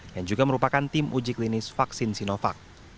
yang juga merupakan tim uji klinis vaksin sinovac